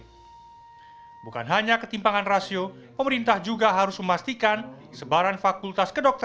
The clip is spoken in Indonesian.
hai bukan hanya ketimpangan rasio pemerintah juga harus memastikan sebaran fakultas